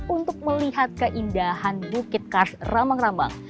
untuk melihat keindahan bukit kars ramang rambang